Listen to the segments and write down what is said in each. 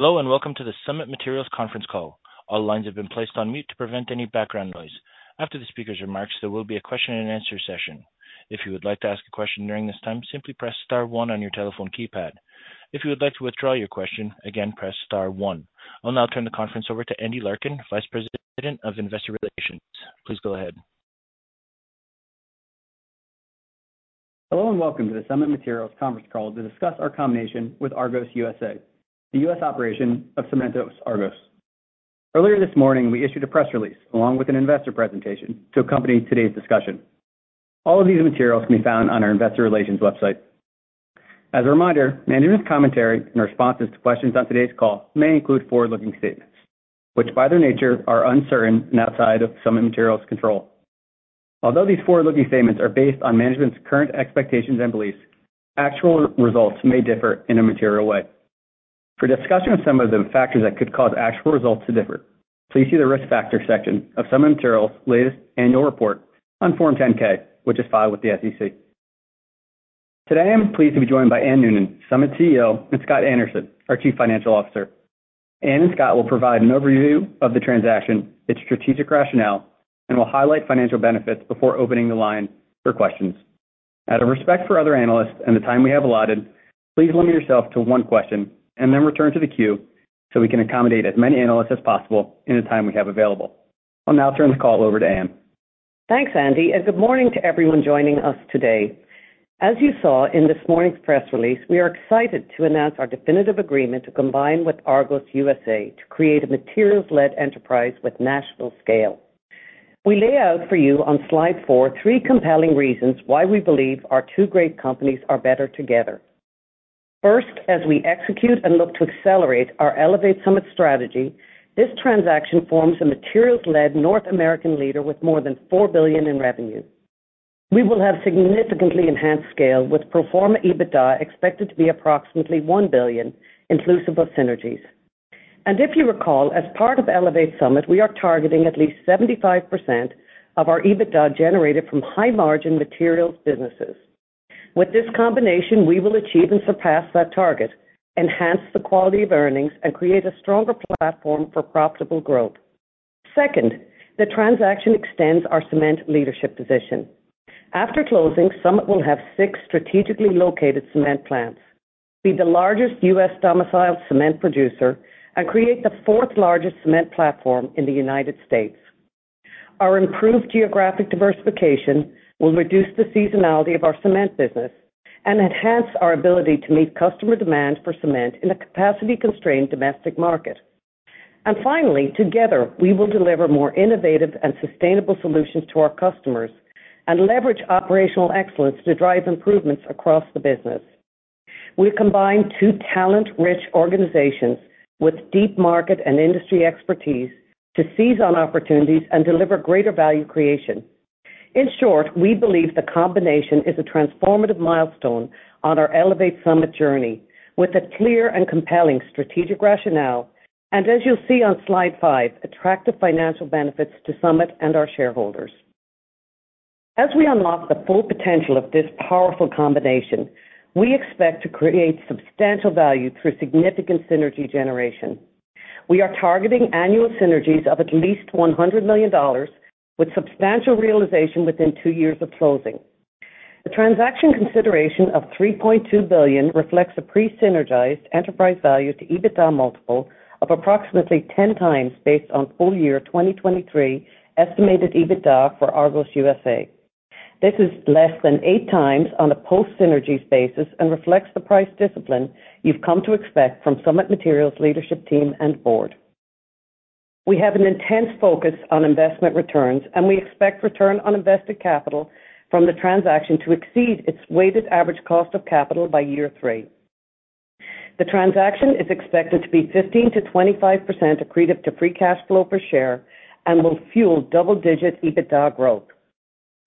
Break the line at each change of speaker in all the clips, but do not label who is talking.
Hello, and welcome to the Summit Materials Conference Call. All lines have been placed on mute to prevent any background noise. After the speaker's remarks, there will be a question-and-answer session. If you would like to ask a question during this time, simply press star-one on your telephone keypad. If you would like to withdraw your question again, press star one. I'll now turn the conference over to Andy Larkin, Vice President of Investor Relations. Please go ahead.
Hello, and welcome to the Summit Materials Conference Call to discuss our combination with Argos USA, the U.S. operation of Cementos Argos. Earlier this morning, we issued a press release along with an investor presentation to accompany today's discussion. All of these materials can be found on our investor relations website. As a reminder, management's commentary and responses to questions on today's call may include forward-looking statements, which, by their nature, are uncertain and outside of Summit Materials' control. Although these forward-looking statements are based on management's current expectations and beliefs, actual results may differ in a material way. For discussion of some of the factors that could cause actual results to differ, please see the Risk Factors section of Summit Materials' latest annual report on Form 10-K, which is filed with the SEC. Today, I'm pleased to be joined by Anne Noonan, Summit CEO, and Scott Anderson, our Chief Financial Officer. Anne and Scott will provide an overview of the transaction, its strategic rationale, and will highlight financial benefits before opening the line for questions. Out of respect for other analysts and the time we have allotted, please limit yourself to one question and then return to the queue, so we can accommodate as many analysts as possible in the time we have available. I'll now turn the call over to Anne.
Thanks, Andy, and good morning to everyone joining us today. As you saw in this morning's press release, we are excited to announce our definitive agreement to combine with Argos USA to create a materials-led enterprise with national scale. We lay out for you on Slide 4, three compelling reasons why we believe our two great companies are better together. First, as we execute and look to accelerate our Elevate Summit strategy, this transaction forms a materials-led North American leader with more than $4 billion in revenue. We will have significantly enhanced scale, with pro forma EBITDA expected to be approximately $1 billion, inclusive of synergies. If you recall, as part of Elevate Summit, we are targeting at least 75% of our EBITDA generated from high-margin materials businesses. With this combination, we will achieve and surpass that target, enhance the quality of earnings, and create a stronger platform for profitable growth. Second, the transaction extends our cement leadership position. After closing, Summit will have six strategically located cement plants, be the largest U.S.domiciled cement producer, and create the fourth-largest cement platform in the United States. Our improved geographic diversification will reduce the seasonality of our cement business and enhance our ability to meet customer demand for cement in a capacity-constrained domestic market. And finally, together, we will deliver more innovative and sustainable solutions to our customers and leverage operational excellence to drive improvements across the business. We've combined two talent-rich organizations with deep market and industry expertise to seize on opportunities and deliver greater value creation. In short, we believe the combination is a transformative milestone on our Elevate Summit journey, with a clear and compelling strategic rationale, and as you'll see on Slide 5, attractive financial benefits to Summit and our shareholders. As we unlock the full potential of this powerful combination, we expect to create substantial value through significant synergy generation. We are targeting annual synergies of at least $100 million, with substantial realization within two years of closing. The transaction consideration of $3.2 billion reflects a pre-synergized enterprise value to EBITDA multiple of approximately 10.0x, based on full-year 2023 estimated EBITDA for Argos USA. This is less than 8.0x on a post-synergies basis and reflects the price discipline you've come to expect from Summit Materials' leadership team and board. We have an intense focus on investment returns, and we expect return on invested capital from the transaction to exceed its weighted average cost of capital by year three. The transaction is expected to be 15% to 25% accretive to free cash flow per share and will fuel double-digit EBITDA growth.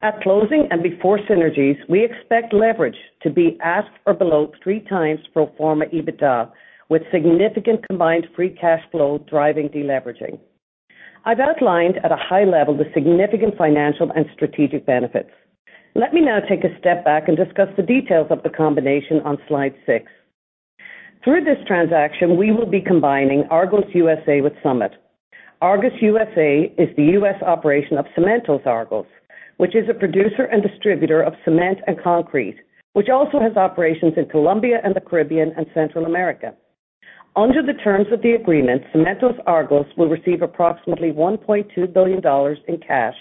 At closing and before synergies, we expect leverage to be at or below 3.0x pro forma EBITDA, with significant combined free cash flow driving deleveraging. I've outlined at a high level the significant financial and strategic benefits. Let me now take a step back and discuss the details of the combination on Slide 6. Through this transaction, we will be combining Argos USA with Summit. Argos USA is the U.S. operation of Cementos Argos, which is a producer and distributor of cement and concrete, which also has operations in Colombia and the Caribbean and Central America. Under the terms of the agreement, Cementos Argos will receive approximately $1.2 billion in cash,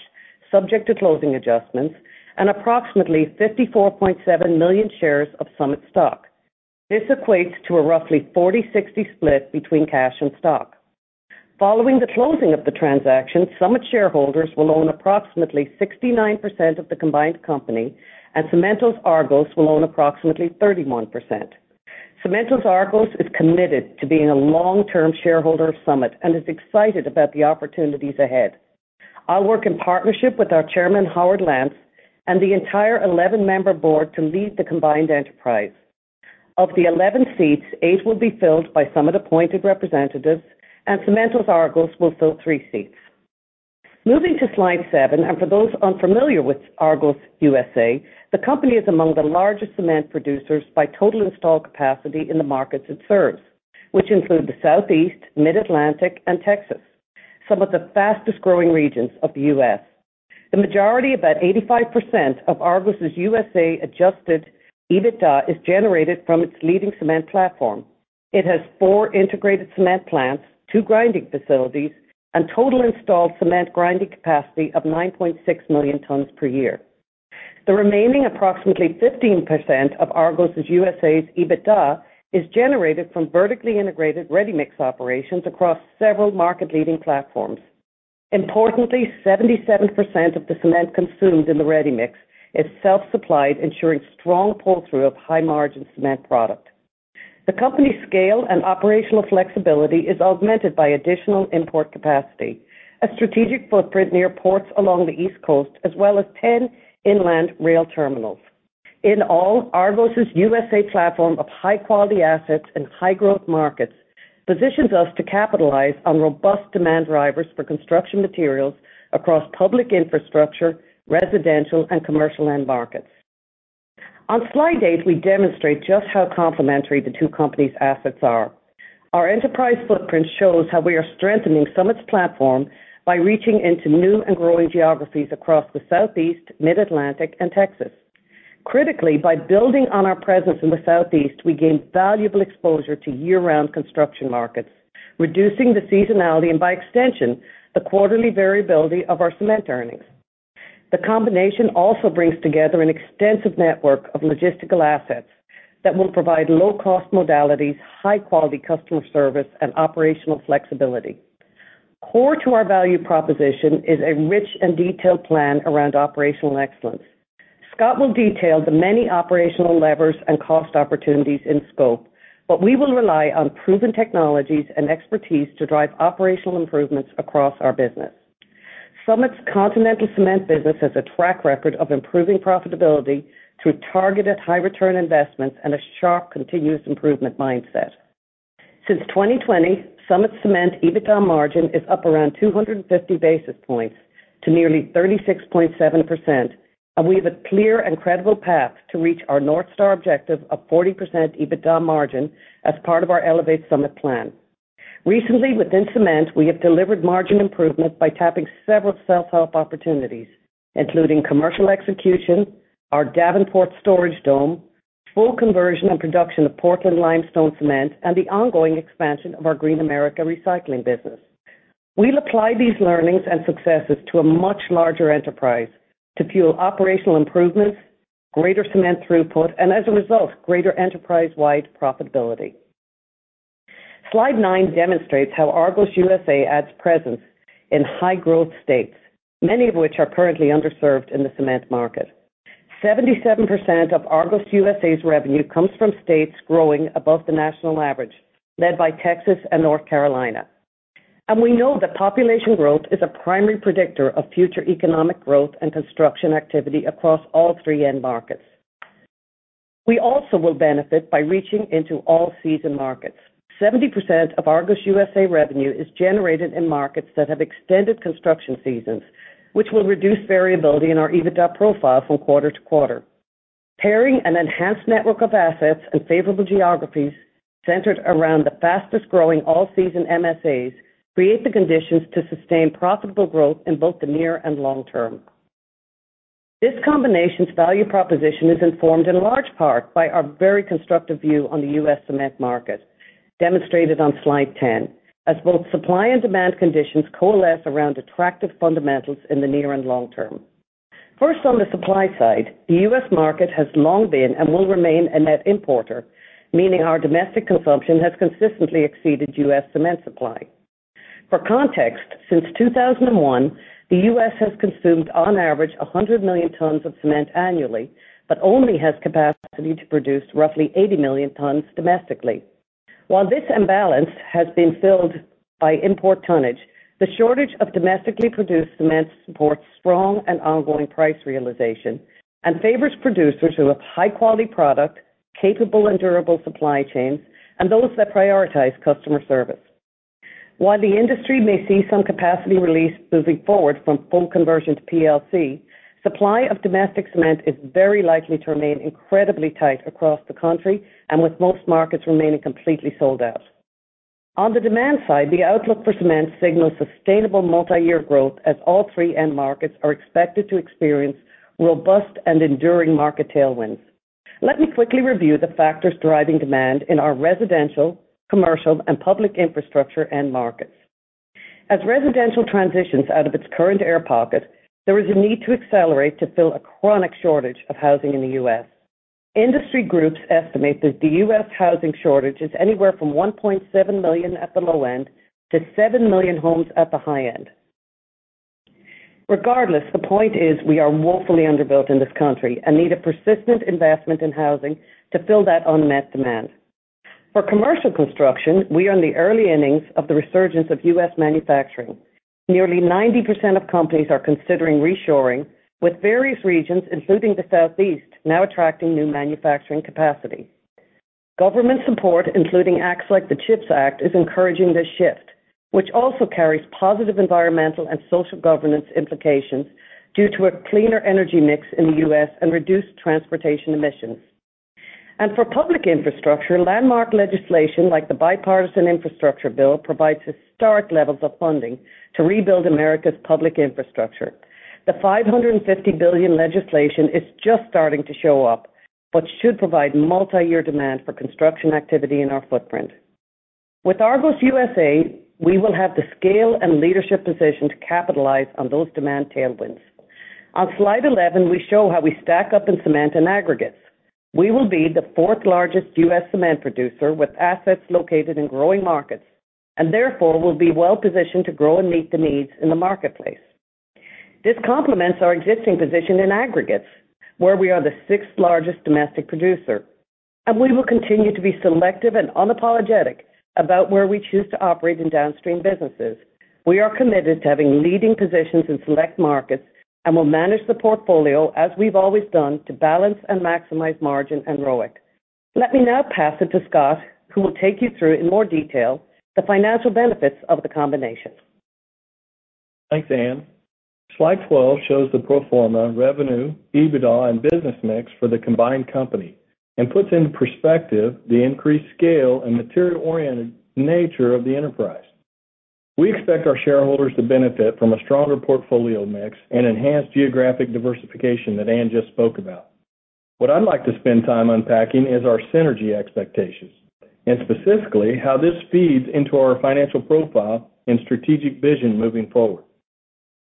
subject to closing adjustments, and approximately 54.7 million shares of Summit stock. This equates to a roughly 40% / 60% split between cash and stock. Following the closing of the transaction, Summit shareholders will own approximately 69% of the combined company, and Cementos Argos will own approximately 31%. Cementos Argos is committed to being a long-term shareholder of Summit and is excited about the opportunities ahead. I'll work in partnership with our chairman, Howard Lance, and the entire 11-member board to lead the combined enterprise. Of the 11 seats, eight will be filled by Summit-appointed representatives, and Cementos Argos will fill three seats.... Moving to Slide 7, and for those unfamiliar with Argos USA, the company is among the largest cement producers by total installed capacity in the markets it serves, which include the Southeast, Mid-Atlantic, and Texas, some of the fastest-growing regions of the U.S. The majority, about 85%, of Argos USA's adjusted EBITDA is generated from its leading cement platform. It has four integrated cement plants, two grinding facilities, and total installed cement grinding capacity of 9.6 million tons per year. The remaining approximately 15% of Argos USA's EBITDA is generated from vertically integrated ready-mix operations across several market-leading platforms. Importantly, 77% of the cement consumed in the ready mix is self-supplied, ensuring strong pull-through of high-margin cement product. The company's scale and operational flexibility is augmented by additional import capacity, a strategic footprint near ports along the East Coast, as well as 10 inland rail terminals. In all, Argos USA's platform of high-quality assets and high-growth markets positions us to capitalize on robust demand drivers for construction materials across public infrastructure, residential, and commercial end markets. On Slide 8, we demonstrate just how complementary the two companies' assets are. Our enterprise footprint shows how we are strengthening Summit's platform by reaching into new and growing geographies across the Southeast, Mid-Atlantic, and Texas. Critically, by building on our presence in the Southeast, we gain valuable exposure to year-round construction markets, reducing the seasonality and, by extension, the quarterly variability of our cement earnings. The combination also brings together an extensive network of logistical assets that will provide low-cost modalities, high-quality customer service, and operational flexibility. Core to our value proposition is a rich and detailed plan around operational excellence. Scott will detail the many operational levers and cost opportunities in scope, but we will rely on proven technologies and expertise to drive operational improvements across our business. Summit's Continental Cement business has a track record of improving profitability through targeted high-return investments and a sharp continuous improvement mindset. Since 2020, Summit Cement EBITDA margin is up around 250 basis points to nearly 36.7%, and we have a clear and credible path to reach our North Star objective of 40% EBITDA margin as part of our Elevate Summit plan. Recently, within Cement, we have delivered margin improvement by tapping several self-help opportunities, including commercial execution, our Davenport storage dome, full conversion and production of Portland Limestone Cement, and the ongoing expansion of our Green America Recycling business. We'll apply these learnings and successes to a much larger enterprise to fuel operational improvements, greater cement throughput, and as a result, greater enterprise-wide profitability. Slide 9 demonstrates how Argos USA adds presence in high-growth states, many of which are currently underserved in the cement market. 77% of Argos USA's revenue comes from states growing above the national average, led by Texas and North Carolina. We know that population growth is a primary predictor of future economic growth and construction activity across all three end markets. We also will benefit by reaching into all-season markets. 70% of Argos USA revenue is generated in markets that have extended construction seasons, which will reduce variability in our EBITDA profile from quarter to quarter. Pairing an enhanced network of assets and favorable geographies centered around the fastest-growing all-season MSAs create the conditions to sustain profitable growth in both the near and long term. This combination's value proposition is informed in large part by our very constructive view on the U.S. cement market, demonstrated on Slide 10, as both supply and demand conditions coalesce around attractive fundamentals in the near and long term. First, on the supply side, the U.S. market has long been and will remain a net importer, meaning our domestic consumption has consistently exceeded U.S. cement supply. For context, since 2001, the U.S. has consumed, on average, 100 million tons of cement annually, but only has capacity to produce roughly 80 million tons domestically. While this imbalance has been filled by import tonnage, the shortage of domestically produced cement supports strong and ongoing price realization and favors producers who have high-quality product, capable and durable supply chains, and those that prioritize customer service. While the industry may see some capacity release moving forward from full conversion to PLC, supply of domestic cement is very likely to remain incredibly tight across the country and with most markets remaining completely sold out. On the demand side, the outlook for cement signals sustainable multi-year growth, as all three end markets are expected to experience robust and enduring market tailwinds. Let me quickly review the factors driving demand in our residential, commercial, and public infrastructure end markets. As residential transitions out of its current air pocket, there is a need to accelerate to fill a chronic shortage of housing in the U.S. Industry groups estimate that the U.S. housing shortage is anywhere from 1.7 million at the low end to 7 million homes at the high end. Regardless, the point is, we are woefully underbuilt in this country and need a persistent investment in housing to fill that unmet demand. For commercial construction, we are in the early innings of the resurgence of U.S. manufacturing. Nearly 90% of companies are considering reshoring, with various regions, including the Southeast, now attracting new manufacturing capacity.... Government support, including acts like the CHIPS Act, is encouraging this shift, which also carries positive environmental and social governance implications due to a cleaner energy mix in the U.S. and reduced transportation emissions. For public infrastructure, landmark legislation like the Bipartisan Infrastructure Bill provides historic levels of funding to rebuild America's public infrastructure. The $550 billion legislation is just starting to show up, but should provide multiyear demand for construction activity in our footprint. With Argos USA, we will have the scale and leadership position to capitalize on those demand tailwinds. On slide 11, we show how we stack up in cement and aggregates. We will be the fourth largest U.S. cement producer, with assets located in growing markets, and therefore will be well-positioned to grow and meet the needs in the marketplace. This complements our existing position in aggregates, where we are the sixth largest domestic producer, and we will continue to be selective and unapologetic about where we choose to operate in downstream businesses. We are committed to having leading positions in select markets and will manage the portfolio as we've always done to balance and maximize margin and ROIC. Let me now pass it to Scott, who will take you through, in more detail, the financial benefits of the combination.
Thanks, Anne. Slide 12 shows the pro forma revenue, EBITDA, and business mix for the combined company and puts into perspective the increased scale and material-oriented nature of the enterprise. We expect our shareholders to benefit from a stronger portfolio mix and enhanced geographic diversification that Anne just spoke about. What I'd like to spend time unpacking is our synergy expectations, and specifically, how this feeds into our financial profile and strategic vision moving forward.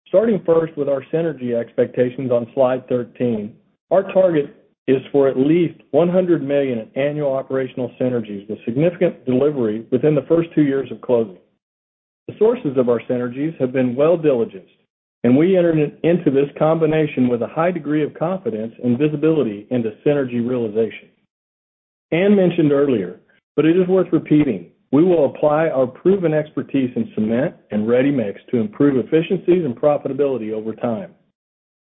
Starting first with our synergy expectations on Slide 13, our target is for at least $100 million in annual operational synergies, with significant delivery within the first two years of closing. The sources of our synergies have been well diligenced, and we entered into this combination with a high degree of confidence and visibility into synergy realization. Anne mentioned earlier, but it is worth repeating, we will apply our proven expertise in cement and ready-mix to improve efficiencies and profitability over time.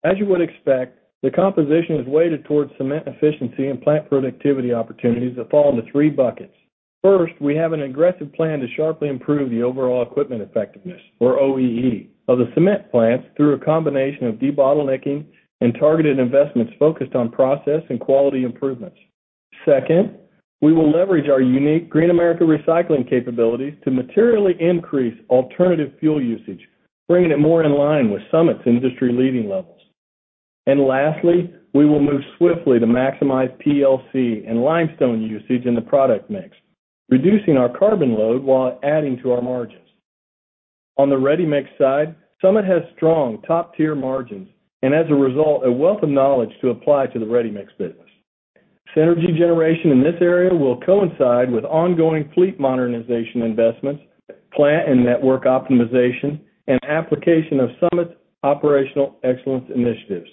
As you would expect, the composition is weighted towards cement efficiency and plant productivity opportunities that fall into three buckets. First, we have an aggressive plan to sharply improve the overall equipment effectiveness, or OEE, of the cement plants through a combination of debottlenecking and targeted investments focused on process and quality improvements. Second, we will leverage our unique Green America Recycling capabilities to materially increase alternative fuel usage, bringing it more in line with Summit's industry-leading levels. And lastly, we will move swiftly to maximize PLC and limestone usage in the product mix, reducing our carbon load while adding to our margins. On the ready-mix side, Summit has strong, top-tier margins, and as a result, a wealth of knowledge to apply to the ready-mix business. Synergy generation in this area will coincide with ongoing fleet modernization investments, plant and network optimization, and application of Summit's operational excellence initiatives.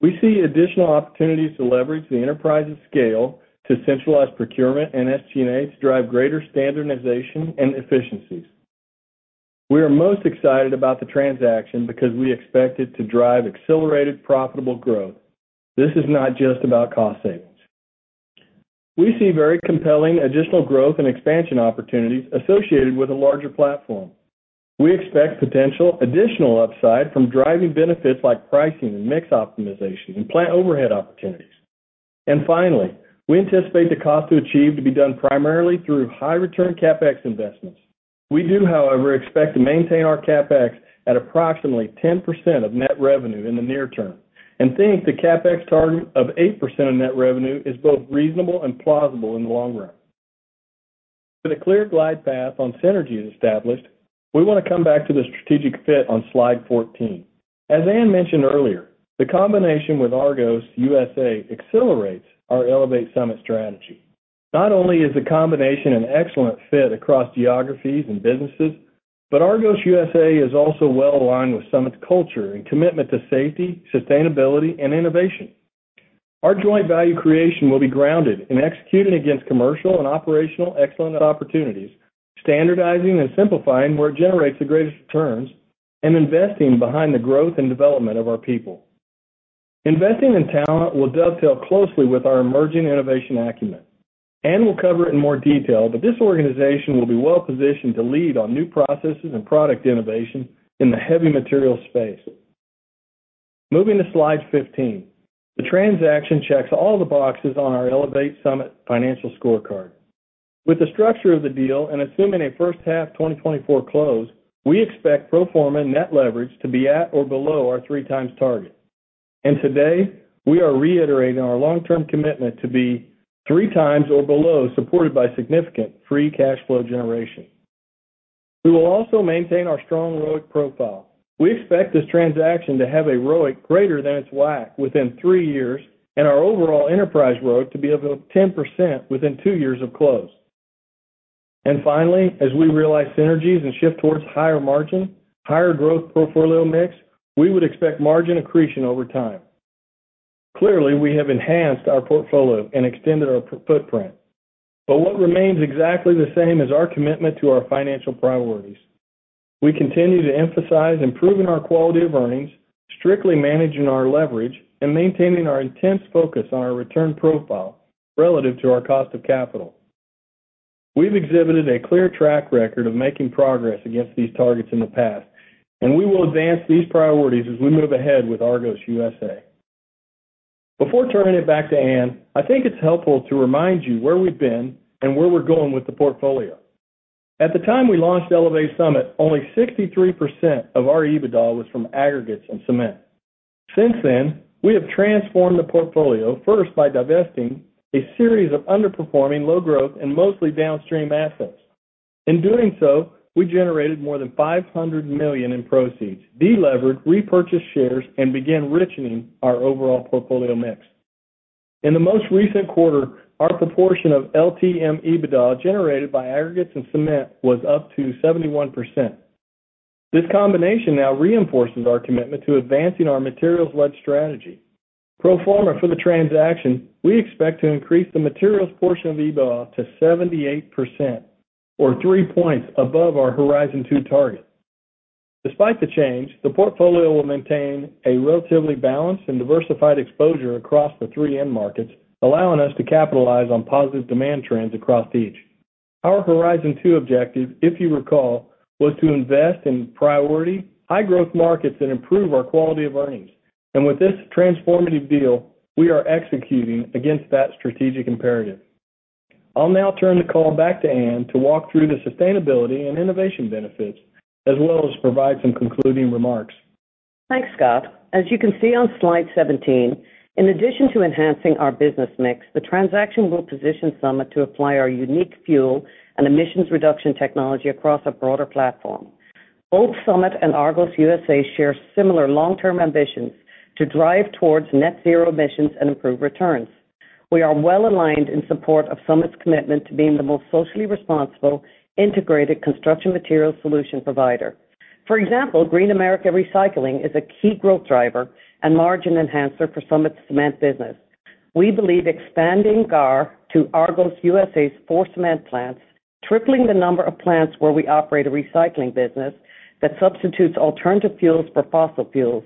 We see additional opportunities to leverage the enterprise's scale to centralize procurement and SG&A to drive greater standardization and efficiencies. We are most excited about the transaction because we expect it to drive accelerated, profitable growth. This is not just about cost savings. We see very compelling additional growth and expansion opportunities associated with a larger platform. We expect potential additional upside from driving benefits like pricing and mix optimization and plant overhead opportunities. And finally, we anticipate the cost to achieve to be done primarily through high-return CapEx investments. We do, however, expect to maintain our CapEx at approximately 10% of net revenue in the near term and think the CapEx target of 8% of net revenue is both reasonable and plausible in the long run. With a clear glide path on synergies established, we want to come back to the strategic fit on Slide 14. As Anne mentioned earlier, the combination with Argos USA accelerates our Elevate Summit strategy. Not only is the combination an excellent fit across geographies and businesses, but Argos USA is also well aligned with Summit's culture and commitment to safety, sustainability, and innovation. Our joint value creation will be grounded and executed against commercial and operational excellence opportunities, standardizing and simplifying where it generates the greatest returns, and investing behind the growth and development of our people. Investing in talent will dovetail closely with our emerging innovation acumen. Anne will cover it in more detail, but this organization will be well positioned to lead on new processes and product innovation in the heavy materials space. Moving to Slide 15. The transaction checks all the boxes on our Elevate Summit financial scorecard. With the structure of the deal, and assuming a H1 2024 close, we expect pro forma net leverage to be at or below our 3.0x target. Today, we are reiterating our long-term commitment to be 3.0x or below, supported by significant free cash flow generation. We will also maintain our strong ROIC profile. We expect this transaction to have a ROIC greater than its WACC within three years and our overall enterprise ROIC to be above 10% within two years of close. And finally, as we realize synergies and shift towards higher margin, higher growth portfolio mix, we would expect margin accretion over time. Clearly, we have enhanced our portfolio and extended our footprint, but what remains exactly the same is our commitment to our financial priorities. We continue to emphasize improving our quality of earnings, strictly managing our leverage, and maintaining our intense focus on our return profile relative to our cost of capital. We've exhibited a clear track record of making progress against these targets in the past, and we will advance these priorities as we move ahead with Argos USA. Before turning it back to Anne, I think it's helpful to remind you where we've been and where we're going with the portfolio. At the time we launched Elevate Summit, only 63% of our EBITDA was from aggregates and cement. Since then, we have transformed the portfolio, first by divesting a series of underperforming, low-growth and mostly downstream assets. In doing so, we generated more than $500 million in proceeds, de-levered, repurchased shares, and began richening our overall portfolio mix. In the most recent quarter, our proportion of LTM EBITDA generated by aggregates and cement was up to 71%. This combination now reinforces our commitment to advancing our materials-led strategy. Pro forma for the transaction, we expect to increase the materials portion of EBITDA to 78%, or three points above our Horizon Two target. Despite the change, the portfolio will maintain a relatively balanced and diversified exposure across the three end markets, allowing us to capitalize on positive demand trends across each. Our Horizon Two objective, if you recall, was to invest in priority, high-growth markets and improve our quality of earnings, and with this transformative deal, we are executing against that strategic imperative. I'll now turn the call back to Anne to walk through the sustainability and innovation benefits, as well as provide some concluding remarks.
Thanks, Scott. As you can see on Slide 17, in addition to enhancing our business mix, the transaction will position Summit to apply our unique fuel and emissions reduction technology across a broader platform. Both Summit and Argos USA share similar long-term ambitions to drive towards net zero emissions and improve returns. We are well-aligned in support of Summit's commitment to being the most socially responsible, integrated construction materials solution provider. For example, Green America Recycling is a key growth driver and margin enhancer for Summit's cement business. We believe expanding GAR to Argos USA's four cement plants, tripling the number of plants where we operate a recycling business that substitutes alternative fuels for fossil fuels,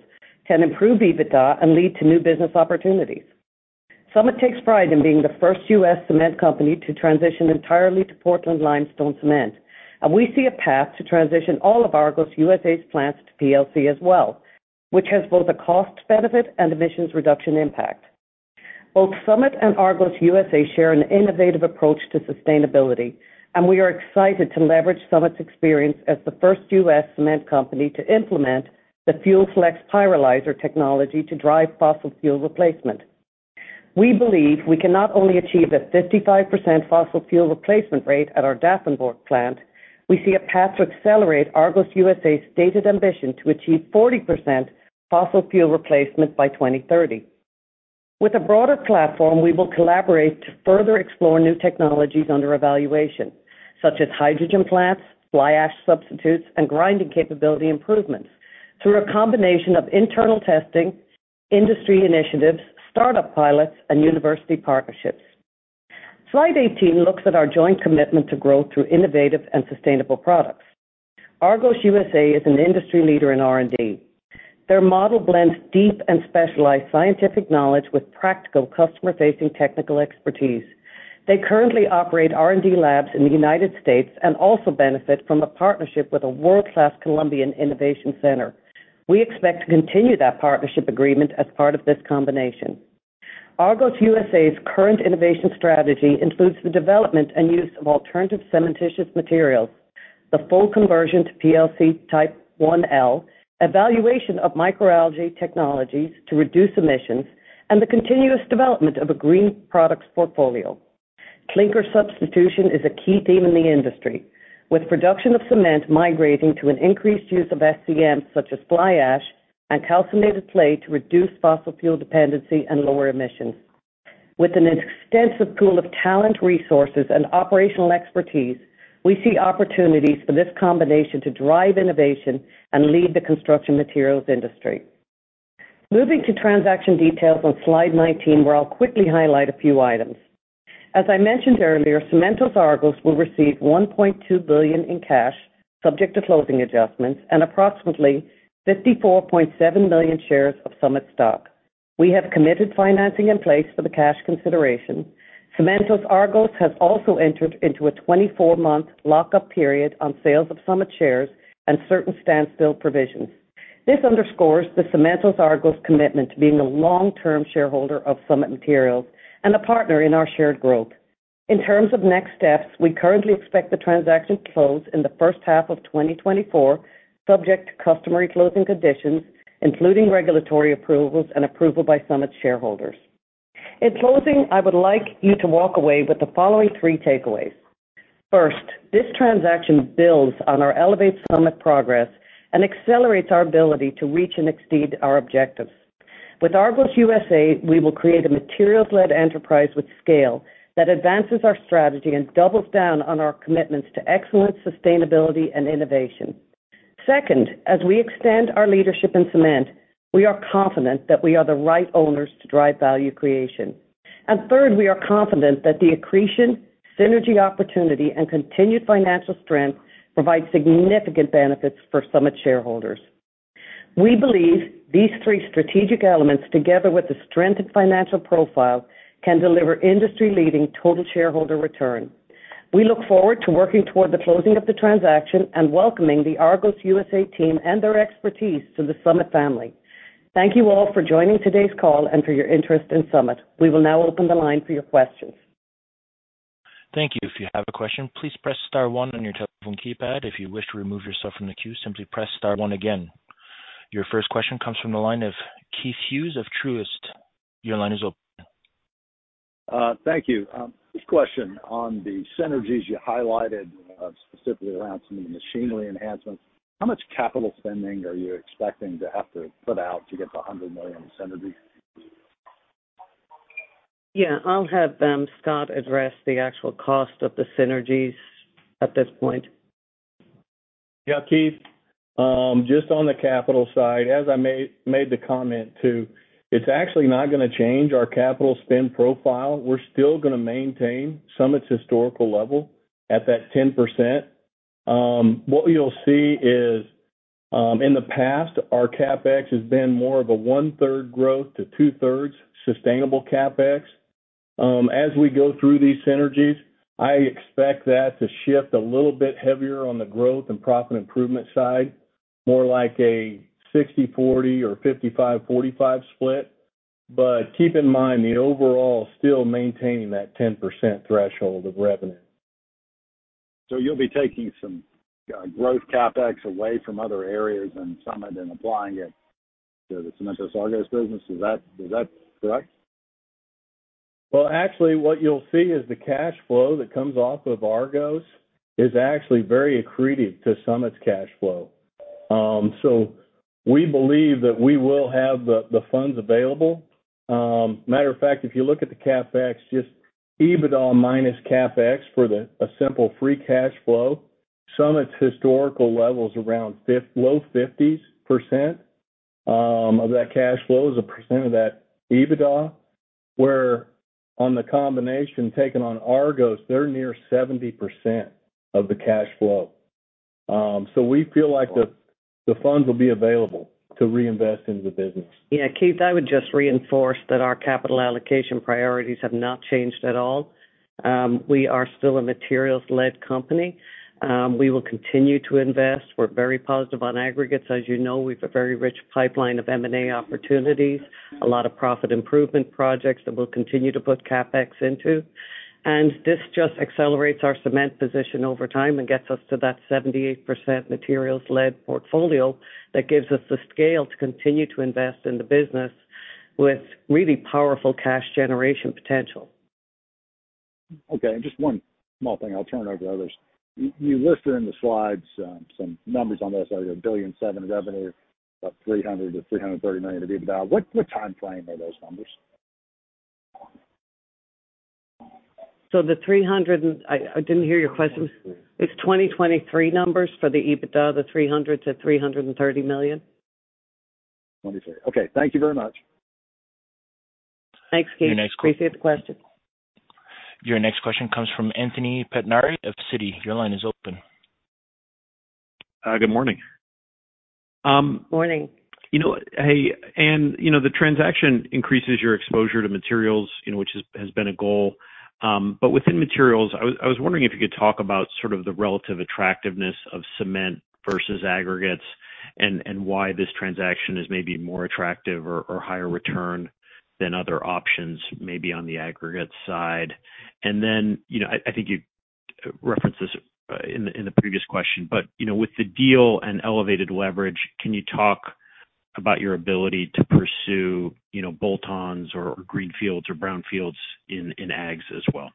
can improve EBITDA and lead to new business opportunities. Summit takes pride in being the first U.S. cement company to transition entirely to Portland Limestone Cement, and we see a path to transition all of Argos USA's plants to PLC as well, which has both a cost benefit and emissions reduction impact. Both Summit and Argos USA share an innovative approach to sustainability, and we are excited to leverage Summit's experience as the first U.S. cement company to implement the Fuel Flex Pyrolyzer technology to drive fossil fuel replacement. We believe we can not only achieve a 55% fossil fuel replacement rate at our Davenport plant. We see a path to accelerate Argos USA's stated ambition to achieve 40% fossil fuel replacement by 2030. With a broader platform, we will collaborate to further explore new technologies under evaluation, such as hydrogen plants, fly ash substitutes, and grinding capability improvements through a combination of internal testing, industry initiatives, startup pilots, and university partnerships. Slide 18 looks at our joint commitment to growth through innovative and sustainable products. Argos USA is an industry leader in R&D. Their model blends deep and specialized scientific knowledge with practical, customer-facing technical expertise. They currently operate R&D labs in the United States and also benefit from a partnership with a world-class Colombian innovation center. We expect to continue that partnership agreement as part of this combination. Argos USA's current innovation strategy includes the development and use of alternative cementitious materials, the full conversion to PLC Type IL, evaluation of microalgae technologies to reduce emissions, and the continuous development of a green products portfolio. Clinker substitution is a key theme in the industry, with production of cement migrating to an increased use of SCM, such as fly ash and calcined clay, to reduce fossil fuel dependency and lower emissions. With an extensive pool of talent, resources, and operational expertise, we see opportunities for this combination to drive innovation and lead the construction materials industry. Moving to transaction details on slide 19, where I'll quickly highlight a few items. As I mentioned earlier, Cementos Argos will receive $1.2 billion in cash, subject to closing adjustments, and approximately 54.7 million shares of Summit stock. We have committed financing in place for the cash consideration. Cementos Argos has also entered into a 24-month lock-up period on sales of Summit shares and certain standstill provisions. This underscores the Cementos Argos commitment to being a long-term shareholder of Summit Materials and a partner in our shared growth. In terms of next steps, we currently expect the transaction to close in the H1 2024, subject to customary closing conditions, including regulatory approvals and approval by Summit's shareholders. In closing, I would like you to walk away with the following three takeaways. First, this transaction builds on our Elevate Summit progress and accelerates our ability to reach and exceed our objectives. With Argos USA, we will create a materials-led enterprise with scale that advances our strategy and doubles down on our commitments to excellence, sustainability, and innovation. Second, as we extend our leadership in cement, we are confident that we are the right owners to drive value creation... Third, we are confident that the accretion, synergy opportunity and continued financial strength provide significant benefits for Summit shareholders. We believe these three strategic elements, together with the strengthened financial profile, can deliver industry-leading total shareholder return. We look forward to working toward the closing of the transaction and welcoming the Argos USA team and their expertise to the Summit family. Thank you all for joining today's call and for your interest in Summit. We will now open the line for your questions.
Thank you. If you have a question, please press star one on your telephone keypad. If you wish to remove yourself from the queue, simply press star one again. Your first question comes from the line of Keith Hughes of Truist. Your line is open.
Thank you. Quick question on the synergies you highlighted, specifically around some of the machinery enhancements. How much capital spending are you expecting to have to put out to get the $100 million synergies?
Yeah, I'll have Scott address the actual cost of the synergies at this point.
Yeah, Keith, just on the capital side, as I made the comment, too, it's actually not gonna change our capital spend profile. We're still gonna maintain Summit's historical level at that 10%. What you'll see is, in the past, our CapEx has been more of a one-third growth to two-thirds sustainable CapEx. As we go through these synergies, I expect that to shift a little bit heavier on the growth and profit improvement side, more like a 60% / %40 or 55% / %45 split. But keep in mind, the overall still maintaining that 10% threshold of revenue.
So you'll be taking some growth CapEx away from other areas in Summit and applying it to the Cementos Argos business. Is that, is that correct?
Well, actually, what you'll see is the cash flow that comes off of Argos is actually very accretive to Summit's cash flow. So we believe that we will have the funds available. Matter of fact, if you look at the CapEx, just EBITDA minus CapEx for a simple free cash flow, Summit's historical level is around low -50% of that cash flow as a percent of that EBITDA, where on the combination taken on Argos, they're near 70% of the cash flow. So we feel like the funds will be available to reinvest in the business.
Yeah, Keith, I would just reinforce that our capital allocation priorities have not changed at all. We are still a materials-led company. We will continue to invest. We're very positive on aggregates. As you know, we've a very rich pipeline of M&A opportunities, a lot of profit improvement projects that we'll continue to put CapEx into. And this just accelerates our cement position over time and gets us to that 78% materials-led portfolio that gives us the scale to continue to invest in the business with really powerful cash generation potential.
Okay, and just one small thing, I'll turn it over to others. You, you listed in the slides, some numbers on this, $1.7 billion revenue, about $300 million to $330 million of EBITDA. What, what timeframe are those numbers?
Sorry I didn't hear your question. It's full-year 2023 EBITDA, the $300 million to $330 million.
2023. Okay, thank you very much.
Thanks, Keith.
Your next question-
Appreciate the question.
Your next question comes from Anthony Pettinari of Citi. Your line is open.
Good morning.
Morning.
You know, hey, Anne, you know, the transaction increases your exposure to materials, you know, which has been a goal. But within materials, I was wondering if you could talk about sort of the relative attractiveness of cement versus aggregates, and why this transaction is maybe more attractive or higher return than other options, maybe on the aggregate side. And then, you know, I think you referenced this in the previous question, but, you know, with the deal and elevated leverage, can you talk about your ability to pursue, you know, bolt-ons or greenfields or brownfields in Aggs as well?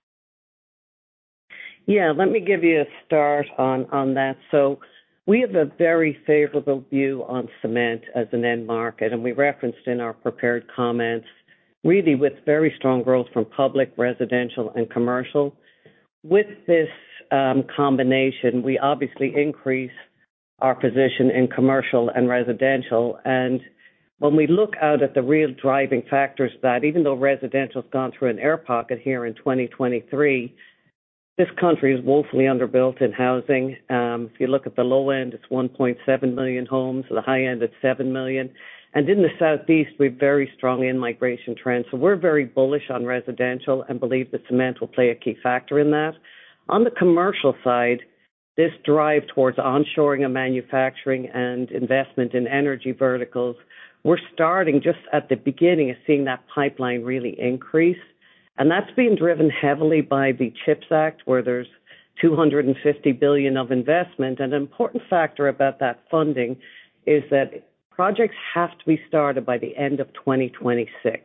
Yeah, let me give you a start on, on that. So we have a very favorable view on cement as an end market, and we referenced in our prepared comments really with very strong growth from public, residential, and commercial. With this combination, we obviously increase our position in commercial and residential. And when we look out at the real driving factors, that even though residential has gone through an air pocket here in 2023, this country is woefully underbuilt in housing. If you look at the low end, it's 1.7 million homes. At the high end, it's 7 million. And in the Southeast, we have very strong in-migration trends, so we're very bullish on residential and believe that cement will play a key factor in that. On the commercial side, this drive towards onshoring of manufacturing and investment in energy verticals, we're starting just at the beginning of seeing that pipeline really increase. And that's being driven heavily by the CHIPS Act, where there's $250 billion of investment. And an important factor about that funding is that projects have to be started by the end of 2026.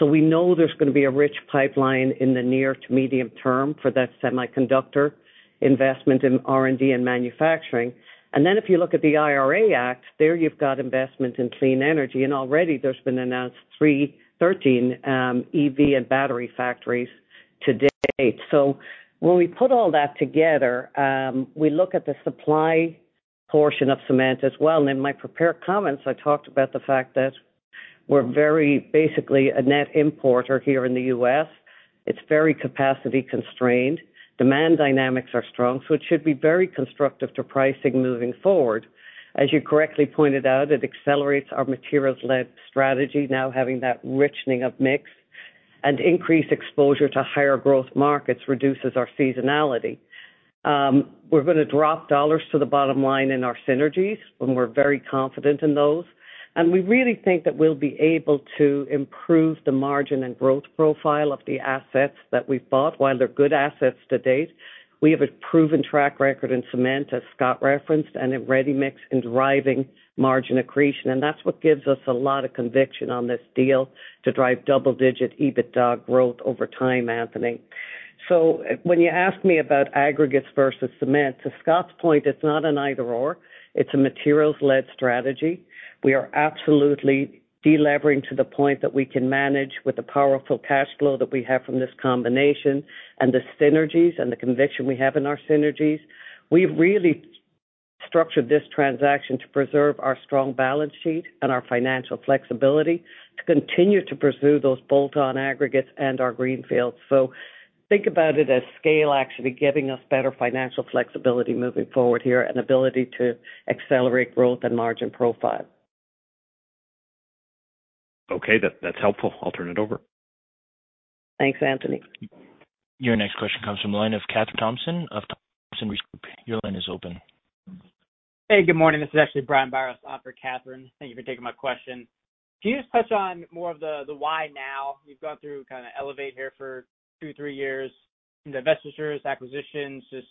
So we know there's going to be a rich pipeline in the near to medium term for that semiconductor investment in R&D and manufacturing. And then if you look at the IRA Act, there you've got investment in clean energy, and already there's been announced 33 EV and battery factories to date. So when we put all that together, we look at the supply portion of cement as well. In my prepared comments, I talked about the fact that we're very basically a net importer here in the U.S. It's very capacity constrained. Demand dynamics are strong, so it should be very constructive to pricing moving forward. As you correctly pointed out, it accelerates our materials-led strategy, now having that richening of mix and increased exposure to higher growth markets reduces our seasonality. We're going to drop dollars to the bottom line in our synergies, and we're very confident in those. And we really think that we'll be able to improve the margin and growth profile of the assets that we've bought. While they're good assets to date, we have a proven track record in cement, as Scott referenced, and in ready-mix and driving margin accretion. And that's what gives us a lot of conviction on this deal to drive double-digit EBITDA growth over time, Anthony. So when you ask me about aggregates versus cement, to Scott's point, it's not an either/or. It's a materials-led strategy. We are absolutely delevering to the point that we can manage with the powerful cash flow that we have from this combination and the synergies and the conviction we have in our synergies. We've really structured this transaction to preserve our strong balance sheet and our financial flexibility, to continue to pursue those bolt-on aggregates and our greenfields. So think about it as scale actually giving us better financial flexibility moving forward here, and ability to accelerate growth and margin profile.
Okay, that's helpful. I'll turn it over.
Thanks, Anthony.
Your next question comes from the line of Catherine Thompson of Thompson Research. Your line is open.
Hey, good morning. This is actually Brian Biros off for Catherine. Thank you for taking my question. Can you just touch on more of the why now? You've gone through kind of elevate here for two, three years, the divestitures, acquisitions. Just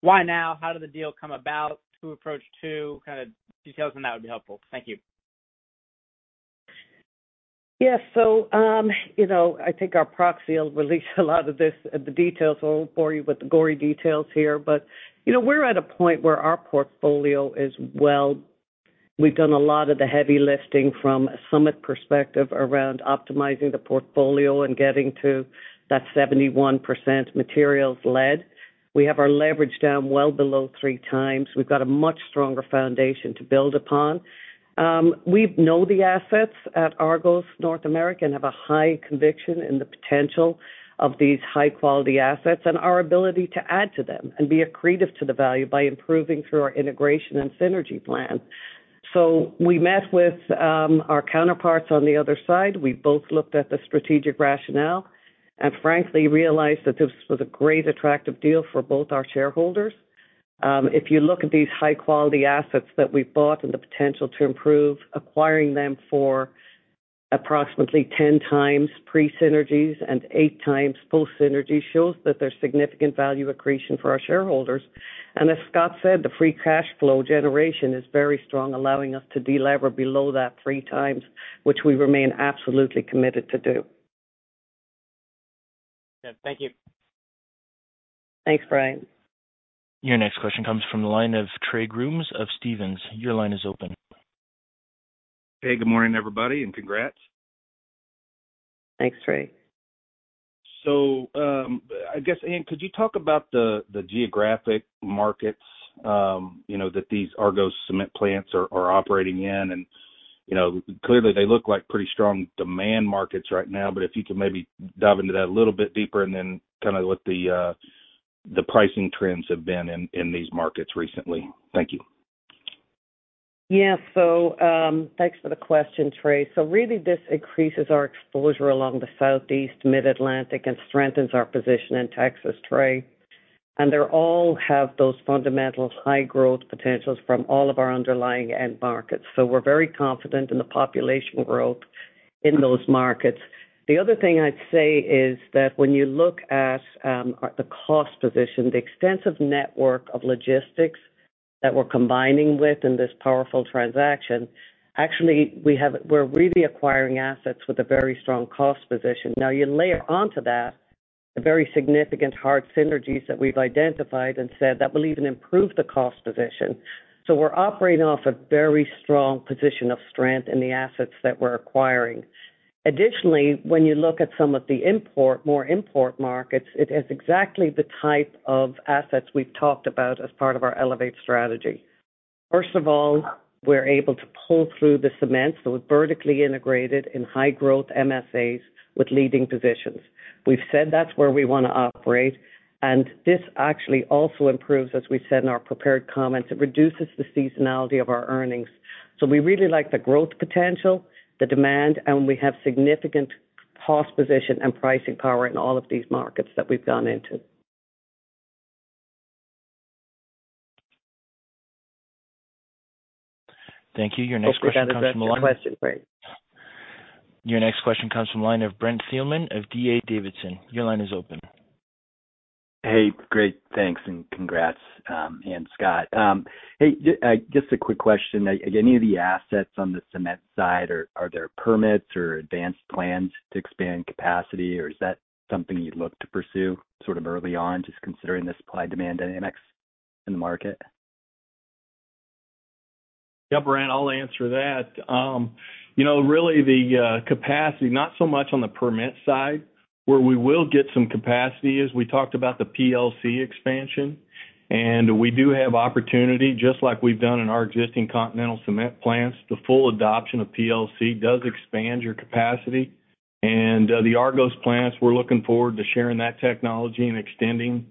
why now? How did the deal come about? Who approached who? What kind of details, and that would be helpful. Thank you.
Yes. So, you know, I think our proxy will release a lot of this, the details. I won't bore you with the gory details here, but, you know, we're at a point where our portfolio is well. We've done a lot of the heavy lifting from a Summit perspective around optimizing the portfolio and getting to that 71% materials-led. We have our leverage down well below three times. We've got a much stronger foundation to build upon. We know the assets at Argos North America and have a high conviction in the potential of these high-quality assets and our ability to add to them and be accretive to the value by improving through our integration and synergy plan. So we met with our counterparts on the other side. We both looked at the strategic rationale and frankly, realized that this was a great attractive deal for both our shareholders. If you look at these high-quality assets that we've bought and the potential to improve, acquiring them for approximately 10.0x pre-synergies and 8.0x post-synergy, shows that there's significant value accretion for our shareholders. As Scott said, the free cash flow generation is very strong, allowing us to delever below that 3.0x, which we remain absolutely committed to do.
Thank you.
Thanks, Brian.
Your next question comes from the line of Trey Grooms of Stephens. Your line is open.
Hey, good morning, everybody, and congrats.
Thanks, Trey.
So, I guess, Anne, could you talk about the geographic markets, you know, that these Argos cement plants are operating in? And, you know, clearly they look like pretty strong demand markets right now. But if you could maybe dive into that a little bit deeper and then kind of what the pricing trends have been in these markets recently. Thank you.
Yes. So, thanks for the question, Trey. So really, this increases our exposure along the Southeast Mid-Atlantic and strengthens our position in Texas trade. And they all have those fundamental high growth potentials from all of our underlying end markets. So we're very confident in the population growth in those markets. The other thing I'd say is that when you look at, the cost position, the extensive network of logistics that we're combining with in this powerful transaction, actually, we have. We're really acquiring assets with a very strong cost position. Now, you layer onto that the very significant hard synergies that we've identified and said that will even improve the cost position. So we're operating off a very strong position of strength in the assets that we're acquiring. Additionally, when you look at some of the more important markets, it is exactly the type of assets we've talked about as part of our Elevate strategy. First of all, we're able to pull through the cement, so vertically integrated in high growth MSAs with leading positions. We've said that's where we want to operate, and this actually also improves, as we said in our prepared comments, it reduces the seasonality of our earnings. So we really like the growth potential, the demand, and we have significant cost position and pricing power in all of these markets that we've gone into.
Thank you. Your next question comes from line-
Thanks.
Your next question comes from the line of Brent Thielman of D.A. Davidson. Your line is open.
Hey, great, thanks, and congrats, Anne and Scott. Hey, just a quick question. Any of the assets on the cement side, are there permits or advanced plans to expand capacity, or is that something you'd look to pursue sort of early on, just considering the supply-demand dynamics in the market?...
Yeah, Brian, I'll answer that. You know, really the capacity, not so much on the permit side. Where we will get some capacity is we talked about the PLC expansion, and we do have opportunity, just like we've done in our existing Continental cement plants. The full adoption of PLC does expand your capacity. And the Argos plants, we're looking forward to sharing that technology and extending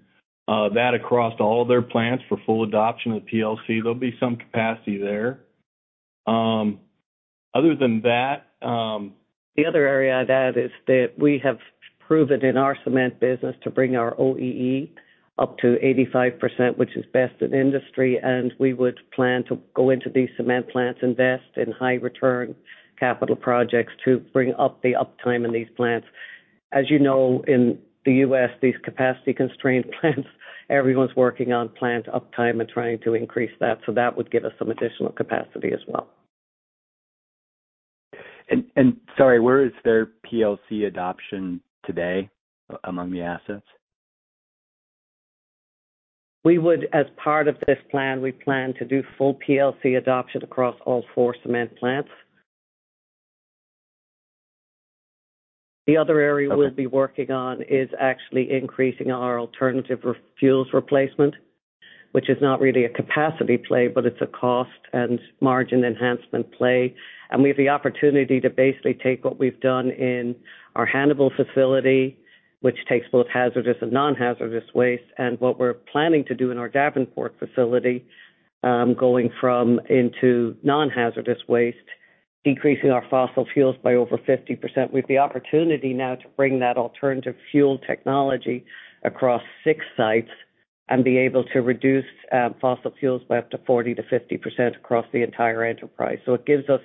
that across all their plants for full adoption of PLC. There'll be some capacity there. Other than that...
The other area I'd add is that we have proven in our cement business to bring our OEE up to 85%, which is best in industry, and we would plan to go into these cement plants, invest in high return capital projects to bring up the uptime in these plants. As you know, in the U.S., these capacity constrained plants, everyone's working on plant uptime and trying to increase that, so that would give us some additional capacity as well.
Sorry, where is their PLC adoption today among the assets?
We would, as part of this plan, we plan to do full PLC adoption across all four cement plants. The other area we'll be working on is actually increasing our alternative fuels replacement, which is not really a capacity play, but it's a cost and margin enhancement play. We have the opportunity to basically take what we've done in our Hannibal facility, which takes both hazardous and non-hazardous waste, and what we're planning to do in our Davenport facility, going into non-hazardous waste, decreasing our fossil fuels by over 50%. We have the opportunity now to bring that alternative fuel technology across six sites and be able to reduce fossil fuels by up to 40% to 50% across the entire enterprise. It gives us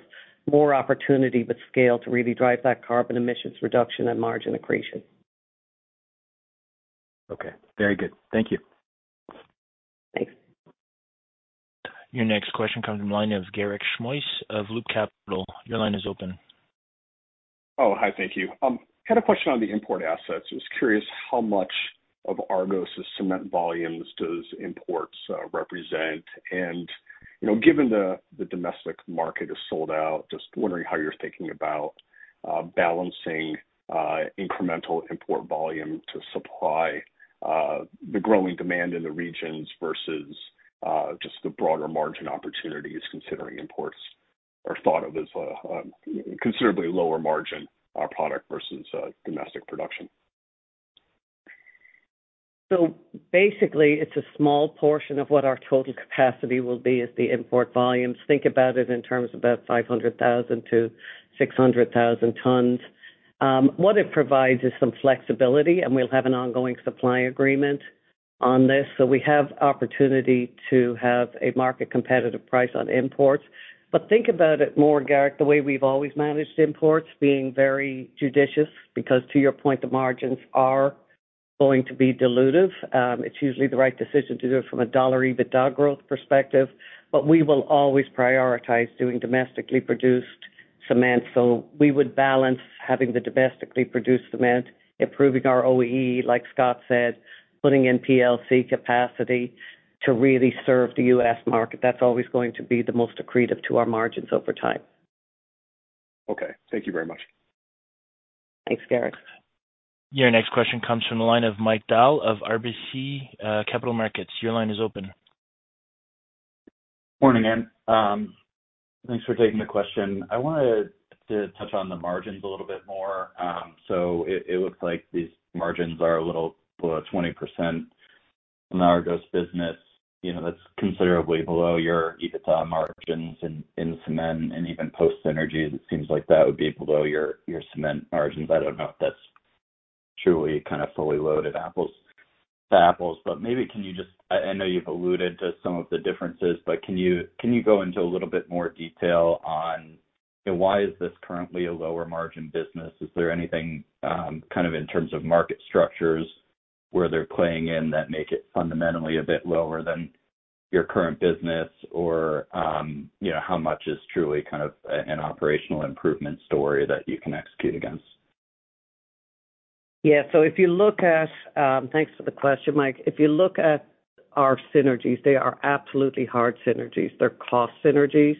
more opportunity, but scale to really drive that carbon emissions reduction and margin accretion.
Okay, very good. Thank you.
Thanks.
Your next question comes from the line of Garik Shmois of Loop Capital. Your line is open.
Oh, hi. Thank you. Had a question on the import assets. I was curious how much of Argos' cement volumes does imports represent? And, you know, given the domestic market is sold out, just wondering how you're thinking about balancing incremental import volume to supply the growing demand in the regions versus just the broader margin opportunities, considering imports are thought of as a considerably lower margin product versus domestic production.
So basically, it's a small portion of what our total capacity will be as the import volumes. Think about it in terms of about 500,000 tons to 600,000 tons. What it provides is some flexibility, and we'll have an ongoing supply agreement on this. So we have opportunity to have a market competitive price on imports. But think about it more, Garik, the way we've always managed imports, being very judicious, because to your point, the margins are going to be dilutive. It's usually the right decision to do it from a dollar EBITDA growth perspective, but we will always prioritize doing domestically produced cement. So we would balance having the domestically produced cement, improving our OEE, like Scott said, putting in PLC capacity to really serve the U.S. market. That's always going to be the most accretive to our margins over time.
Okay, thank you very much.
Thanks, Garik.
Your next question comes from the line of Mike Dahl of RBC Capital Markets. Your line is open.
Morning, and thanks for taking the question. I wanted to touch on the margins a little bit more. So it looks like these margins are a little below 20% in the Argos business. You know, that's considerably below your EBITDA margins in cement and even post synergy, it seems like that would be below your cement margins. I don't know if that's truly kind of fully loaded apples to apples, but maybe can you just. I know you've alluded to some of the differences, but can you go into a little bit more detail on, you know, why is this currently a lower margin business? Is there anything in terms of market structures where they're playing in that make it fundamentally a bit lower than your current business? Or, you know, how much is truly kind of an operational improvement story that you can execute against?
Yeah. So if you look at, thanks for the question, Mike. If you look at our synergies, they are absolutely hard synergies. They're cost synergies,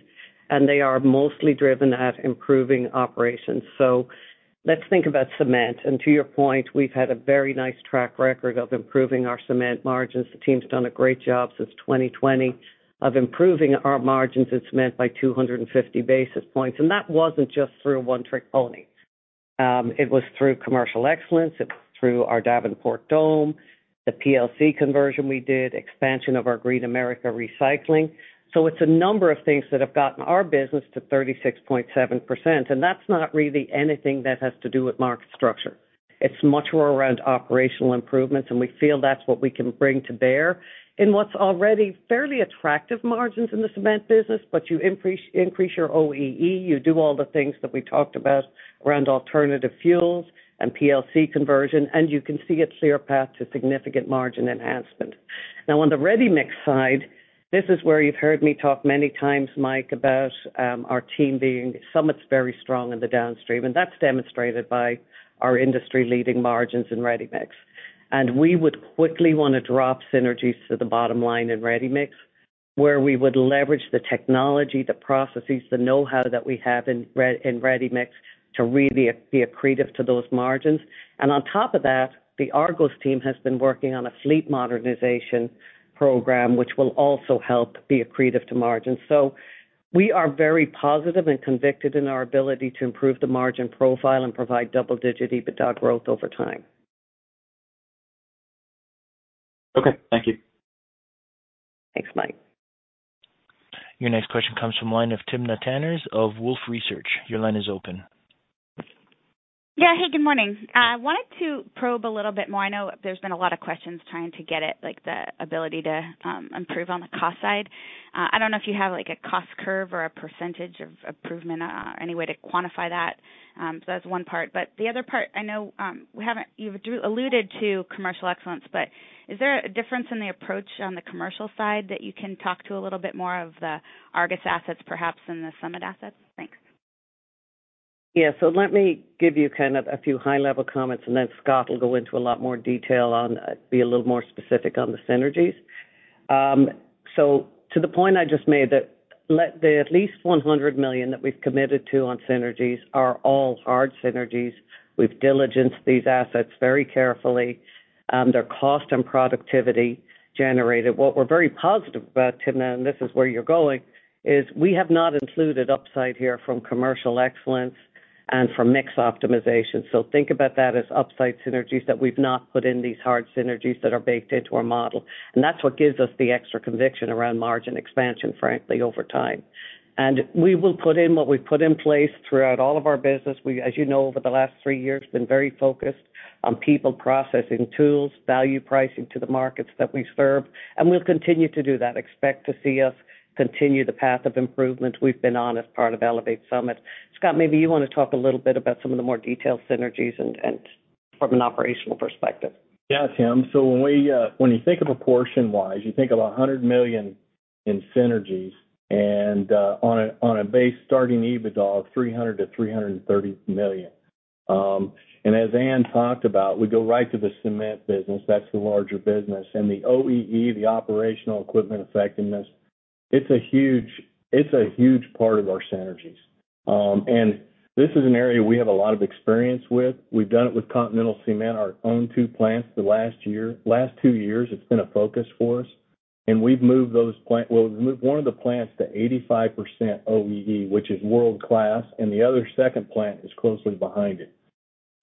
and they are mostly driven at improving operations. So let's think about cement. And to your point, we've had a very nice track record of improving our cement margins. The team's done a great job since 2020 of improving our margins in cement by 250 basis points, and that wasn't just through a one-trick pony. It was through commercial excellence, it was through our Davenport dome, the PLC conversion we did, expansion of our Green America Recycling. So it's a number of things that have gotten our business to 36.7%, and that's not really anything that has to do with market structure. It's much more around operational improvements, and we feel that's what we can bring to bear in what's already fairly attractive margins in the cement business. But you increase your OEE, you do all the things that we talked about around alternative fuels and PLC conversion, and you can see a clear path to significant margin enhancement. Now, on the ready-mix side, this is where you've heard me talk many times, Mike, about our team being somewhat very strong in the downstream, and that's demonstrated by our industry-leading margins in ready-mix. And we would quickly wanna drop synergies to the bottom line in ready-mix, where we would leverage the technology, the processes, the know-how that we have in ready-mix to really be accretive to those margins. On top of that, the Argos team has been working on a fleet modernization program, which will also help be accretive to margins. We are very positive and convicted in our ability to improve the margin profile and provide double-digit EBITDA growth over time.
Okay, thank you.
Thanks, Mike.
Your next question comes from line of Timna Tanners of Wolfe Research. Your line is open.
Yeah. Hey, good morning. I wanted to probe a little bit more. I know there's been a lot of questions trying to get it, like, the ability to improve on the cost side. I don't know if you have, like, a cost curve or a percentage of improvement or any way to quantify that. So that's one part, but the other part, I know, we haven't, you've alluded to commercial excellence, but is there a difference in the approach on the commercial side that you can talk to a little bit more of the Argos assets, perhaps in the Summit assets? Thanks.
Yeah. So let me give you kind of a few high-level comments, and then Scott will go into a lot more detail on, be a little more specific on the synergies. So to the point I just made, that let the at least $100 million that we've committed to on synergies are all hard synergies. We've diligenced these assets very carefully, and their cost and productivity generated. What we're very positive about, Timna, and this is where you're going, is we have not included upside here from commercial excellence and from mix optimization. So think about that as upside synergies that we've not put in these hard synergies that are baked into our model, and that's what gives us the extra conviction around margin expansion, frankly, over time. And we will put in what we've put in place throughout all of our business. We, as you know, over the last three years, been very focused on people, processing tools, value pricing to the markets that we serve, and we'll continue to do that. Expect to see us continue the path of improvement we've been on as part of Elevate Summit. Scott, maybe you wanna talk a little bit about some of the more detailed synergies and from an operational perspective.
Yeah, Tim. So when we, when you think of proportion-wise, you think of $100 million in synergies, and, on a, on a base starting EBITDA of $300 million to $330 million. And as Anne talked about, we go right to the cement business, that's the larger business, and the OEE, the operational equipment effectiveness, it's a huge, it's a huge part of our synergies. And this is an area we have a lot of experience with. We've done it with Continental Cement, our own two plants. Last two years, it's been a focus for us, and we've moved those plants. Well, we've moved one of the plants to 85% OEE, which is world-class, and the other second plant is closely behind it.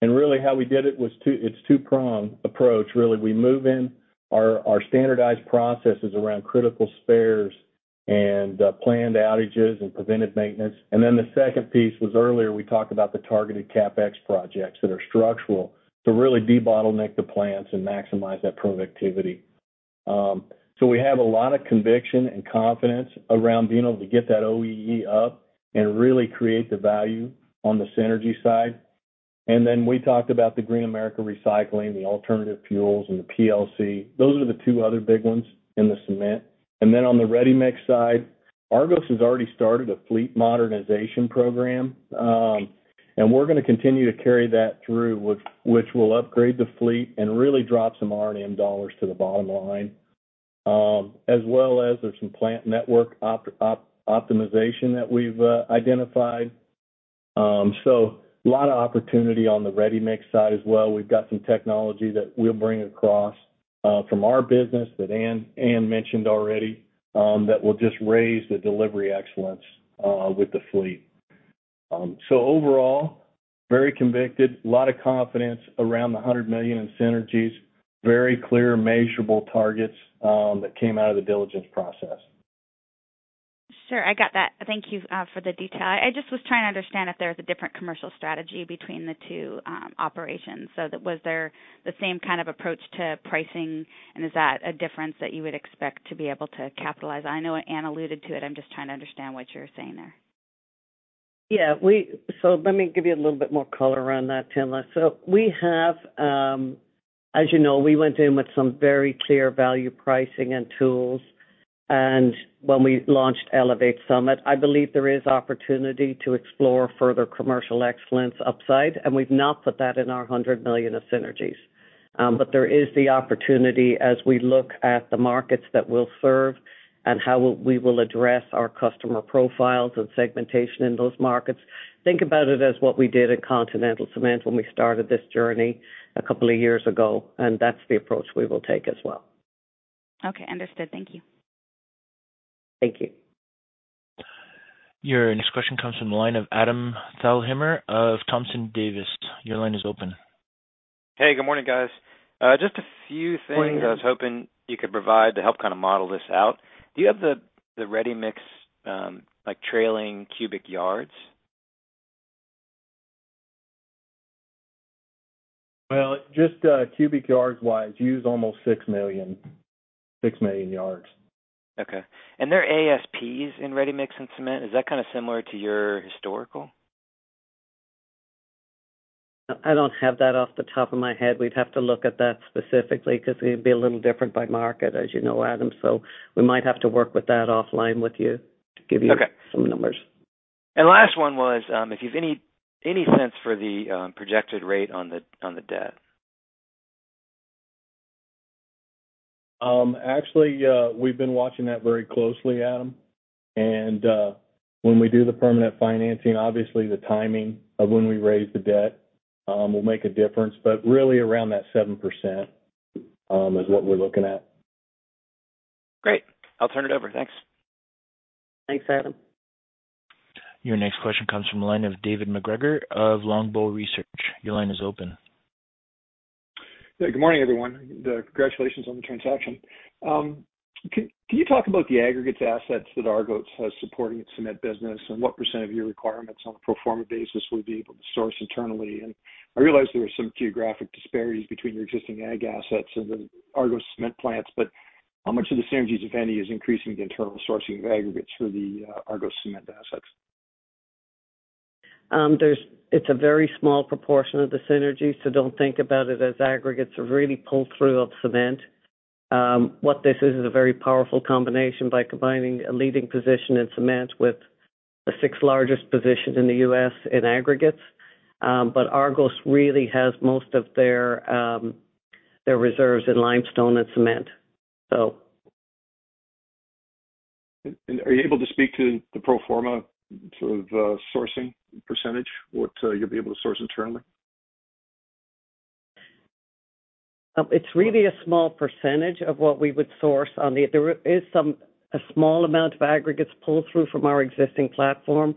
And really, how we did it was, it's two-prong approach, really. We move in our standardized processes around critical spares and planned outages and preventive maintenance. And then the second piece was earlier, we talked about the targeted CapEx projects that are structural to really debottleneck the plants and maximize that productivity. So we have a lot of conviction and confidence around being able to get that OEE up and really create the value on the synergy side. And then we talked about the Green America Recycling, the alternative fuels, and the PLC. Those are the two other big ones in the cement. And then on the ready-mix side, Argos has already started a fleet modernization program, and we're gonna continue to carry that through, which will upgrade the fleet and really drop some R&M dollars to the bottom line. As well as there's some plant network optimization that we've identified. So a lot of opportunity on the ready-mix side as well. We've got some technology that we'll bring across, from our business that Anne, Anne mentioned already, that will just raise the delivery excellence, with the fleet. So overall, very convicted, a lot of confidence around the $100 million in synergies. Very clear, measurable targets, that came out of the diligence process.
Sure, I got that. Thank you for the detail. I just was trying to understand if there was a different commercial strategy between the two operations. So that was there the same kind of approach to pricing, and is that a difference that you would expect to be able to capitalize? I know Anne alluded to it. I'm just trying to understand what you're saying there.
Yeah, let me give you a little bit more color around that, Timna. So we have, as you know, we went in with some very clear value pricing and tools, and when we launched Elevate Summit, I believe there is opportunity to explore further commercial excellence upside, and we've not put that in our $100 million of synergies. But there is the opportunity as we look at the markets that we'll serve and how we will address our customer profiles and segmentation in those markets. Think about it as what we did at Continental Cement when we started this journey a couple of years ago, and that's the approach we will take as well.
Okay, understood. Thank you.
Thank you.
Your next question comes from the line of Adam Thalhimer of Thompson Davis. Your line is open.
Hey, good morning, guys. Just a few things-
Good morning.
I was hoping you could provide to help kinda model this out. Do you have the ready-mix, like, trailing cubic yards?
Well, just cubic yards-wise, use almost 6 million, 6 million yards.
Okay. Their ASPs in ready-mix and cement, is that kinda similar to your historical?
I don't have that off the top of my head. We'd have to look at that specifically because it would be a little different by market, as you know, Adam, so we might have to work with that offline with you to give you-
Okay.
-some numbers....
And last one was, if you've any sense for the projected rate on the debt?
Actually, we've been watching that very closely, Adam, and when we do the permanent financing, obviously, the timing of when we raise the debt will make a difference, but really around that 7% is what we're looking at.
Great. I'll turn it over. Thanks.
Thanks, Adam.
Your next question comes from the line of David MacGregor of Longbow Research. Your line is open.
Yeah, good morning, everyone. Congratulations on the transaction. Can you talk about the aggregates assets that Argos has supporting its cement business, and what % of your requirements on a pro forma basis would be able to source internally? And I realize there are some geographic disparities between your existing ag assets and the Argos cement plants, but how much of the synergies, if any, is increasing the internal sourcing of aggregates through the Argos cement assets?
There's a very small proportion of the synergies, so don't think about it as aggregates are really pull-through of cement. What this is, is a very powerful combination by combining a leading position in cement with the sixth-largest position in the U.S. in aggregates. But Argos really has most of their, their reserves in limestone and cement, so.
Are you able to speak to the pro forma, sort of, sourcing percentage, what you'll be able to source internally?
It's really a small percentage of what we would source on the... There is some, a small amount of aggregates pull-through from our existing platform,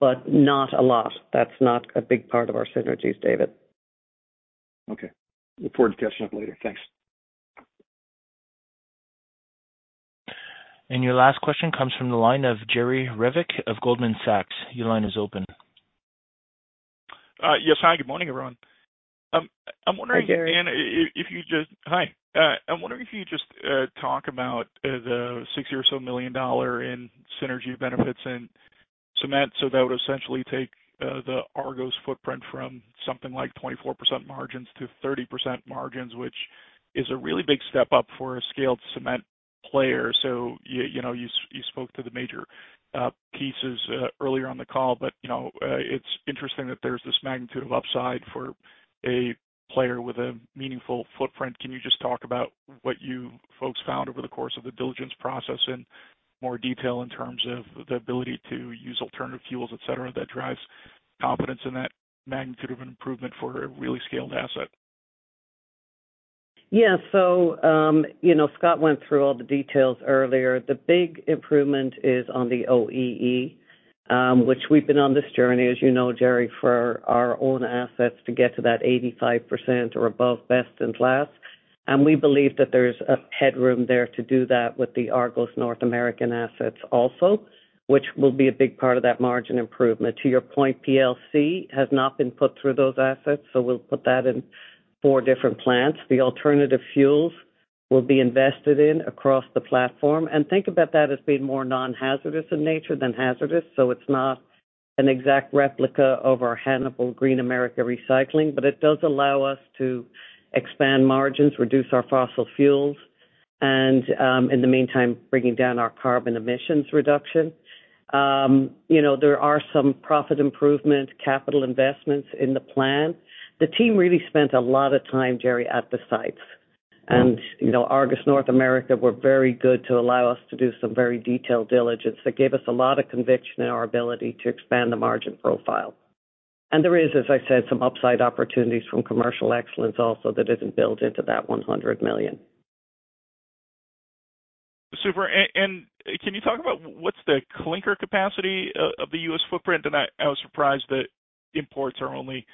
but not a lot. That's not a big part of our synergies, David.
Okay. Look forward to catching up later. Thanks.
Your last question comes from the line of Jerry Revich of Goldman Sachs. Your line is open.
Yes. Hi, good morning, everyone. I'm wondering-
Hi, Jerry.
Hi. I'm wondering if you just talk about the $60 million or so million dollar in synergy benefits in cement. So that would essentially take the Argos footprint from something like 24% margins to 30% margins, which is a really big step up for a scaled cement player. So you know you spoke to the major pieces earlier on the call, but you know, it's interesting that there's this magnitude of upside for a player with a meaningful footprint. Can you just talk about what you folks found over the course of the diligence process in more detail, in terms of the ability to use alternative fuels, et cetera, that drives confidence in that magnitude of an improvement for a really scaled asset?
Yeah. So, you know, Scott went through all the details earlier. The big improvement is on the OEE, which we've been on this journey, as you know, Jerry, for our own assets to get to that 85% or above best in class. And we believe that there's headroom there to do that with the Argos North American assets also, which will be a big part of that margin improvement. To your point, PLC has not been put through those assets, so we'll put that in four different plants. The alternative fuels will be invested in across the platform. And think about that as being more non-hazardous in nature than hazardous. So it's not an exact replica of our Hannibal Green America Recycling, but it does allow us to expand margins, reduce our fossil fuels, and, in the meantime, bringing down our carbon emissions reduction. You know, there are some profit improvement, capital investments in the plan. The team really spent a lot of time, Jerry, at the sites. You know, Argos North America were very good to allow us to do some very detailed diligence. That gave us a lot of conviction in our ability to expand the margin profile. And there is, as I said, some upside opportunities from commercial excellence also that isn't built into that $100 million.
Super. And can you talk about what's the clinker capacity of the U.S. footprint? And I was surprised that imports are only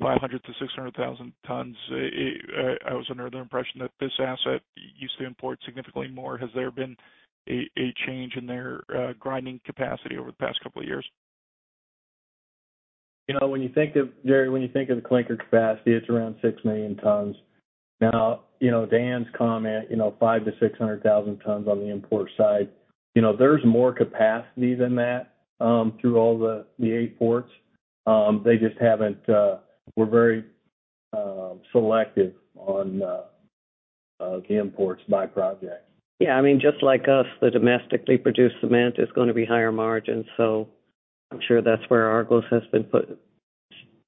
500,000 to 600,000 tons. I was under the impression that this asset used to import significantly more. Has there been a change in their grinding capacity over the past couple of years?
You know, when you think of, Jerry, when you think of the clinker capacity, it's around 6.0 million tons. Now, you know, Dan's comment, you know, 500,000 to 600,000 tons on the import side, you know, there's more capacity than that, through all the eight ports. They just haven't. We're very selective on the imports by project.
Yeah, I mean, just like us, the domestically produced cement is gonna be higher margin, so I'm sure that's where Argos has been put,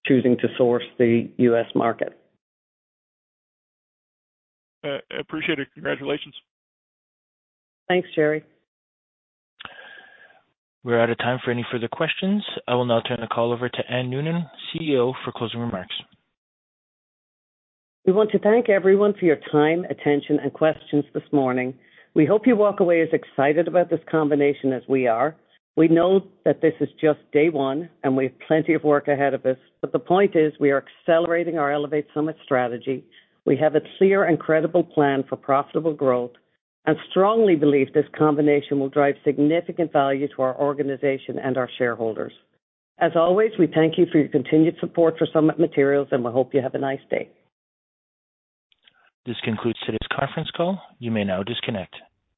choosing to source the U.S. market.
Appreciate it. Congratulations.
Thanks, Jerry.
We're out of time for any further questions. I will now turn the call over to Anne Noonan, CEO, for closing remarks.
We want to thank everyone for your time, attention, and questions this morning. We hope you walk away as excited about this combination as we are. We know that this is just day one, and we have plenty of work ahead of us, but the point is, we are accelerating our Elevate Summit strategy. We have a clear and credible plan for profitable growth and strongly believe this combination will drive significant value to our organization and our shareholders. As always, we thank you for your continued support for Summit Materials, and we hope you have a nice day.
This concludes today's conference call. You may now disconnect.